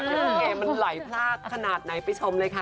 ลิเกมันไหลพลากขนาดไหนไปชมเลยค่ะ